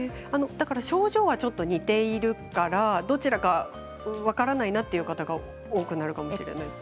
症状はちょっと似ているから、どちらか分からないなという方が多くなるかもしれないと。